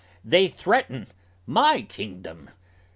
They threaten my kingdom!